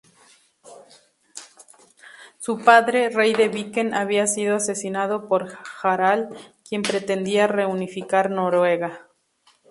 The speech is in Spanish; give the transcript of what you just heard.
Su padre, rey de Viken, había sido asesinado por Harald, quien pretendía reunificar Noruega.